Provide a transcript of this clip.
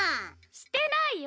してないよ。